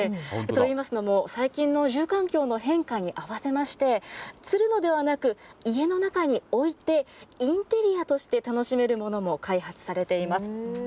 といいますのも、最近の住環境の変化に合わせまして、つるのではなく、家の中に置いて、インテリアとして楽しめるものも開発されています。